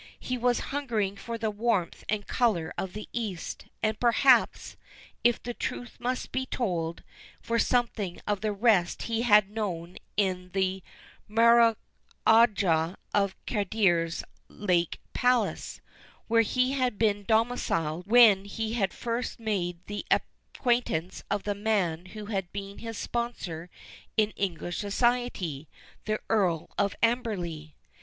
He was hungering for the warmth and color of the East, and, perhaps, if the truth must be told, for something of the rest he had known in the Maharajah of Kadir's lake palace, where he had been domiciled when he had first made the acquaintance of the man who had been his sponsor in English society, the Earl of Amberley.